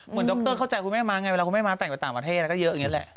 ดรเข้าใจคุณแม่ม้าไงเวลาคุณแม่ม้าแต่งไปต่างประเทศก็เยอะอย่างนี้แหละ